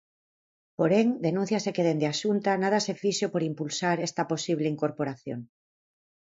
Porén, denúnciase que dende a Xunta nada se fixo por impulsar esta posible incorporación.